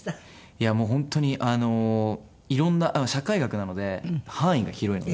いやもう本当にいろんな社会学なので範囲が広いので。